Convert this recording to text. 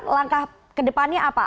langkah kedepannya apa